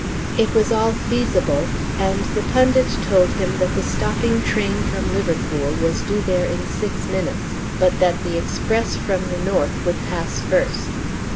It was all feasible, and the pundit told him that the stopping train from Liverpool was due there in six minutes, but that the express from the north would pass first.